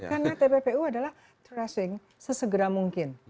karena tppu adalah trusting sesegera mungkin